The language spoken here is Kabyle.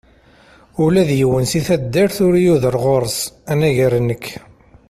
Ula d yiwen seg at taddart ur yuder ɣur-s, anagar nekk.